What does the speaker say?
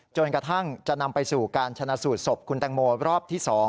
จนกระทั่งจะนำไปสู่การชนะสูตรศพคุณแตงโมรอบที่๒